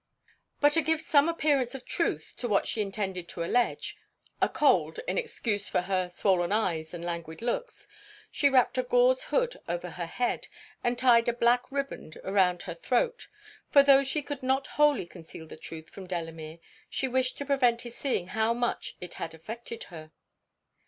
But to give some appearance of truth to what she intended to alledge, a cold, in excuse for her swollen eyes and languid looks, she wrapt a gauze hood over her head, and tied a black ribband round her throat; for tho' she could not wholly conceal the truth from Delamere, she wished to prevent his seeing how much it had affected her.